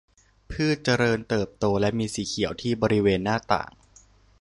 พืชเจริญเติบโตและมีสีเขียวที่บริเวณหน้าต่าง